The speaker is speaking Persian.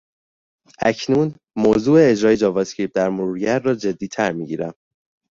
اکنون، موضوع اجرای جاوا اسکریپت در مرورگر را جدیتر میگیرم.